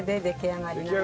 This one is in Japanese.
出来上がり！